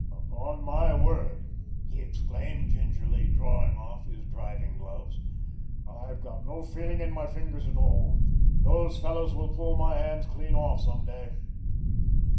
"Upon my word," he exclaimed, gingerly drawing off his driving gloves, "I've no feeling in my fingers at all. Those fellows will pull my hands clean off some day."